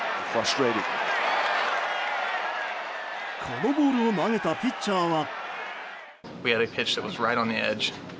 このボールを投げたピッチャーは。